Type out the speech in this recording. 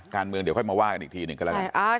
การเมืองเดี๋ยวค่อยมาว่ากันอีกทีหนึ่งก็แล้วกัน